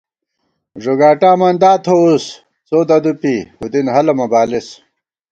ݫُگاٹا مندا تھووُس څو ددُوپی ہُودِن ہَلہ مہ بالېس